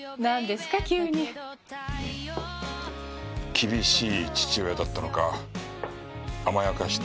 厳しい父親だったのか甘やかして育てたのか。